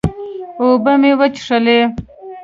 اوبۀ مې وڅښلې